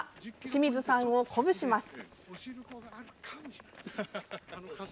清水さんを鼓舞します。